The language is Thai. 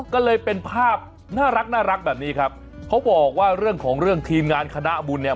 ก็เลยเป็นภาพน่ารักแบบนี้ครับเขาบอกว่าเรื่องของเรื่องทีมงานคณะบุญเนี่ย